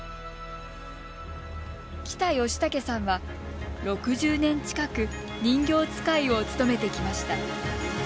北芳健さんは６０年近く人形遣いを務めてきました。